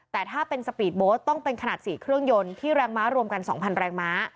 แต่ถ้าเป็นสปีดโบสต์ต้องเป็นขนาด๔เครื่องยนต์ที่แรงม้ารวมกัน๒๐๐แรงม้า